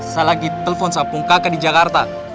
saya lagi telpon sama pung kakak di jakarta